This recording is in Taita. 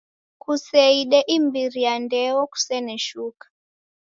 Kuseide imbiri ya ndeo kusene shuka.